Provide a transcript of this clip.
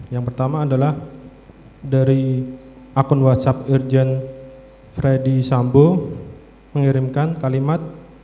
yang pertama adalah dari akun whatsapp irjen freddy sambo mengirimkan kalimat